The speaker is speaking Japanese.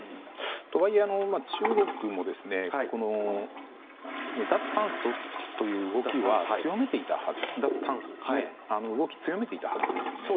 とはいえ、中国も脱炭素という動きは強めていたはずですよね？